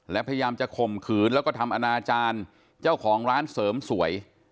และพยายามจะข่มขืนแล้วก็ทำอนาจารย์เจ้าของร้านเสริมสวย